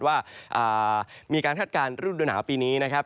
ว่ามีการคาดการณ์ฤดูหนาวปีนี้นะครับ